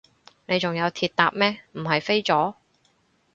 你仲有鐵搭咩，唔係飛咗？